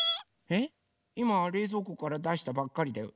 えっいまれいぞうこからだしたばっかりだよ。